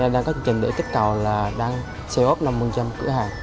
đang có chương trình để kích cầu là đang xây ốp năm mươi cửa hàng